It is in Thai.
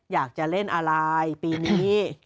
อยากจะเล่นอะไรปีนี้